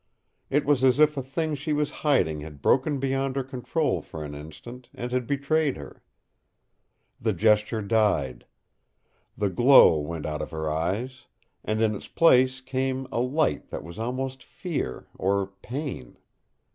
It was as if a thing she was hiding had broken beyond her control for an instant and had betrayed her. The gesture died. The glow went out of her eyes, and in its place came a light that was almost fear or pain.